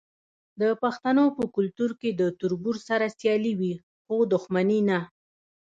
د پښتنو په کلتور کې د تربور سره سیالي وي خو دښمني نه.